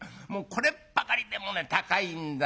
これっぱかりでもね高いんだよ。